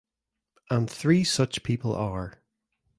And three such people are.